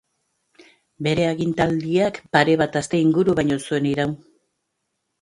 Bere agintaldiak pare bat aste inguru baino ez zuen iraun.